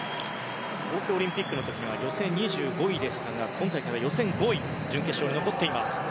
東京オリンピックの時には予選２５位でしたが今大会は予選５位で準決勝に残っています。